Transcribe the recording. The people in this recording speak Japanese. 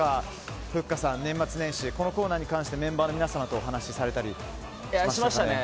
ふっかさん、年末年始このコーナーに関してメンバーの皆様としましたね。